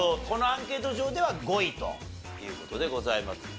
このアンケート上では５位という事でございます。